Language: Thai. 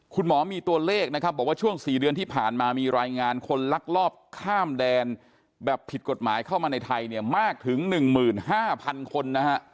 คุณหมอมีตัวเลขนะครับบอกว่าช่วง๔เดือนที่ผ่านมามีรายงานคนลักลอบข้ามแดนแบบผิดกฎหมายเข้ามาในไทยเนี่ยมากถึง๑๕๐๐คนนะฮะ